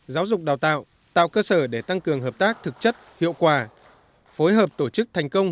giáo dục đào tạo tạo cơ sở để tăng cường hợp tác thực chất hiệu quả phối hợp tổ chức thành công